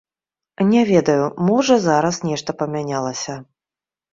Не ведаю, можа, зараз нешта памянялася.